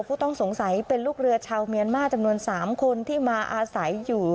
ผู้ต้องสงสัยเป็นลูกเรือชาวเมียนมาร์จำนวน๓คนที่มาอาศัยอยู่